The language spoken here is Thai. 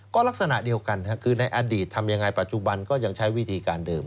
ก็ลักษณะเดียวกันคือในอดีตทำยังไงปัจจุบันก็ยังใช้วิธีการเดิม